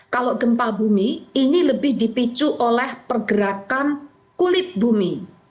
kalau gempa bumi ini lebih dipicu oleh pergerakan kulit bumi